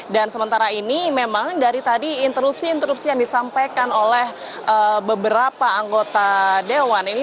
dan sementara ini memang dari tadi interupsi interupsi yang disampaikan oleh beberapa anggota dewan ini